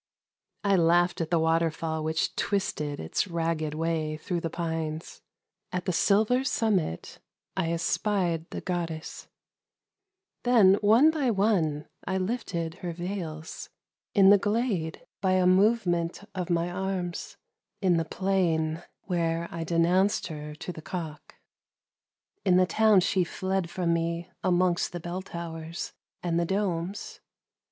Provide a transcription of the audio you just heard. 1 laughed at the water tall which twisted it : way through the pines : at the silver summit 1 espied the Then one by one I lifted her \eils. m the glade by a movement of mj arms ; in the plain, where I denounced to the cock. In the town she tied from me amongst the bell towers and the domes.